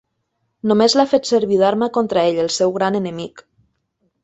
Només l'ha fet servir d'arma contra ell, el seu gran enemic.